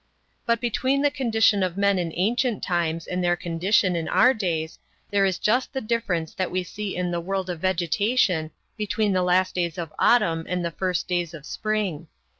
But between the condition of men in ancient times and their condition in our days there is just the difference that we see in the world of vegetation between the last days of autumn and the first days of spring.